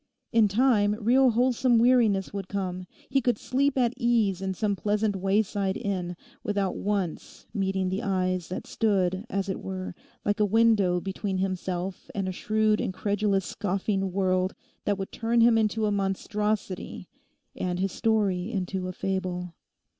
In time real wholesome weariness would come; he could sleep at ease in some pleasant wayside inn, without once meeting the eyes that stood as it were like a window between himself and a shrewd incredulous scoffing world that would turn him into a monstrosity and his story into a fable.